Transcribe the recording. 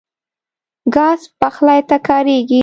ګاز پخلی ته کارېږي.